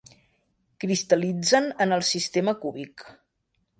Cristal·litzen en el sistema cúbic.